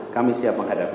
kami siap menghadapi